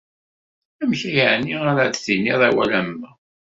Amek yeɛni ara d-tiniḍ awal am wa?